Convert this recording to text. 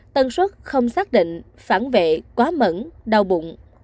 tân suất không xác định phản vệ quá mẩn đau bụng